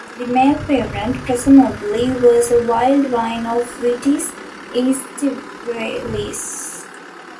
The male parent, presumably, was a wild vine of "Vitis aestivalis".